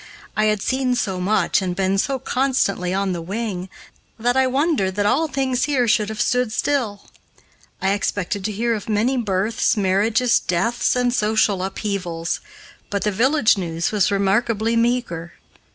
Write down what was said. I had seen so much and been so constantly on the wing that I wondered that all things here should have stood still. I expected to hear of many births, marriages, deaths, and social upheavals, but the village news was remarkably meager.